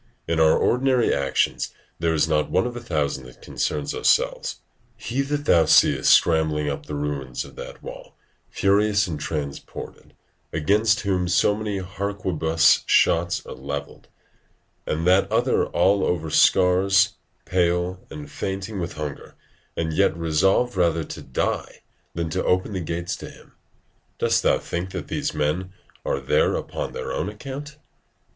In our ordinary actions there is not one of a thousand that concerns ourselves. He that thou seest scrambling up the ruins of that wall, furious and transported, against whom so many harquebuss shots are levelled; and that other all over scars, pale, and fainting with hunger, and yet resolved rather to die than to open the gates to him; dost thou think that these men are there upon their own account?